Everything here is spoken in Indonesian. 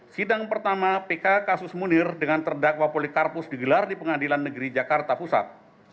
sidang pertama pk kasus munir dengan terdakwa polikarpus digelar di pengadilan negeri jakarta pusat